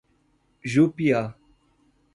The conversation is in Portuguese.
Jupiá